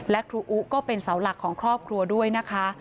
และครูอุก็เป็นเสาหลักของครอบครัวด้วยนะคะ